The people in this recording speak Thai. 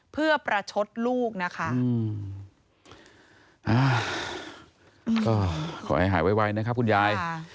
เพื่อประชดลูกนะคะอ่าก็ขอให้หายไวนะครับคุณยาย